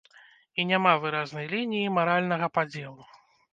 І няма выразнай лініі маральнага падзелу.